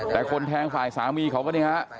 แต่คนแทงฝ่ายสามีเขาก็เนี่ยฮะ